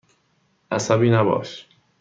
عصبی نباش.